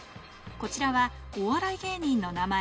こちらはお笑い芸人の名前